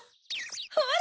ほら。